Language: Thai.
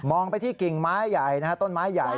ไปที่กิ่งไม้ใหญ่นะฮะต้นไม้ใหญ่